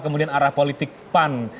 kemudian arah politik pan